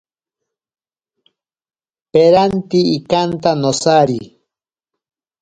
Peranti ikanta nosari.